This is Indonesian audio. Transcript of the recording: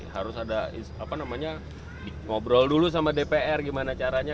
harus ada apa namanya ngobrol dulu sama dpr gimana caranya